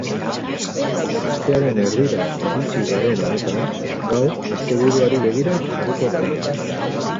Astearen erdira iritsi garen honetan, gaur asteburuari begira jarriko gara.